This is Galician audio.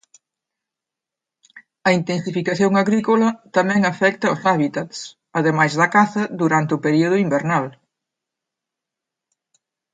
A intensificación agrícola tamén afecta os hábitats, ademais da caza durante o período invernal.